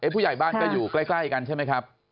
ผู้ใหญ่บ้านก็อยู่ใกล้กันใช่ไหมครับ